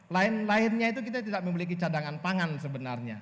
lain lainnya itu kita tidak memiliki cadangan pangan sebenarnya